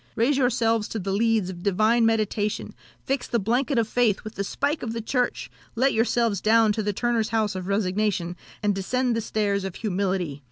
Raise yourselves to the leads of divine meditation, fix the blanket of faith with the spike of the Church, let yourselves down to the turner's house of resignation, and descend the stairs of humility!